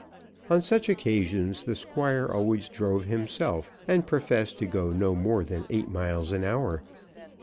On such occasions the Squire always drove himself, and professed to go no more than eight miles an hour.